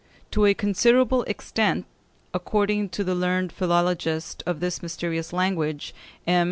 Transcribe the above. To a considerable extent, according to the learned philologist of this mysterious language, M.